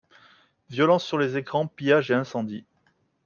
Violence sur les écrans, pillage et incendies.